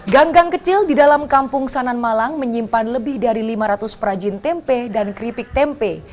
gang gang kecil di dalam kampung sanan malang menyimpan lebih dari lima ratus perajin tempe dan keripik tempe